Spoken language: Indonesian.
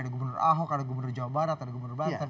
ada gubernur ahok ada gubernur jawa barat ada gubernur banten